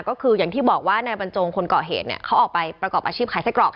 ก็คืออย่างที่บอกว่านายบรรจงคนเกาะเหตุเนี่ยเขาออกไปประกอบอาชีพขายไส้กรอก